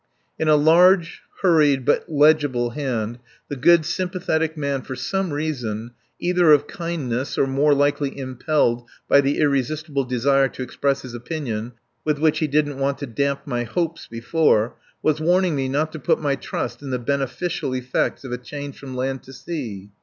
In a large, hurried, but legible hand the good, sympathetic man for some reason, either of kindness or more likely impelled by the irresistible desire to express his opinion, with which he didn't want to damp my hopes before, was warning me not to put my trust in the beneficial effects of a change from land to sea.